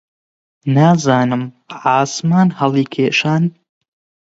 نازانم عاسمان هەڵیکێشان؟